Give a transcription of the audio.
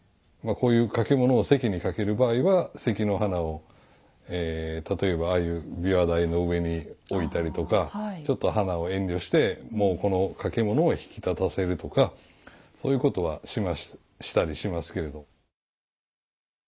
こういう掛物を席にかける場合は席の花を例えばああいう琵琶台の上に置いたりとかちょっと花を遠慮してもうこの掛物を引き立たせるとかそういうことはしたりしますけれど。